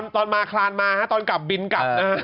ตอนมาคลานมาตอนกลับบินกลับนะฮะ